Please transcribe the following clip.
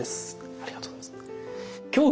ありがとうございます。